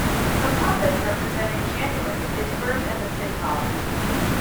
A puppet representing January is burnt at the city hall.